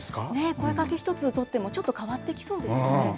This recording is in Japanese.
声かけ一つとっても、ちょっと変わってきそうですよね。